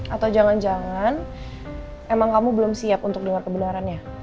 atau jangan jangan emang kamu belum siap untuk dengar kebenarannya